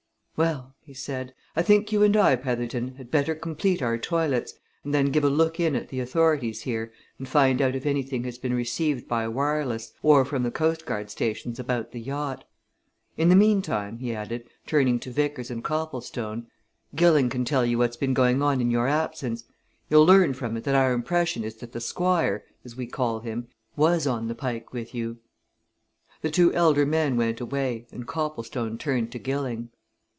"Well," he said, "I think you and I, Petherton, had better complete our toilets, and then give a look in at the authorities here and find out if anything has been received by wireless or from the coastguard stations about the yacht. In the meantime," he added, turning to Vickers and Copplestone, "Gilling can tell you what's been going on in your absence you'll learn from it that our impression is that the Squire, as we call him, was on the Pike with you." The two elder men went away, and Copplestone turned to Gilling.